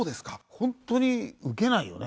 ホントにウケないよね？